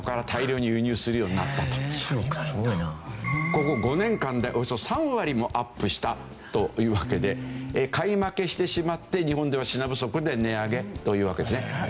ここ５年間でおよそ３割もアップしたというわけで買い負けしてしまって日本では品不足で値上げというわけですね。